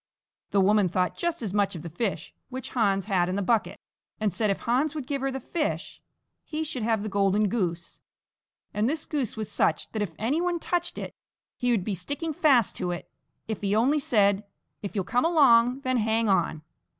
The woman thought just as much of the fish which Hans had in the bucket, and said if Hans would give her the fish he should have the golden goose; and this goose was such that if any one touched it he would be sticking fast to it if he only said: "If you'll come along, then hang on."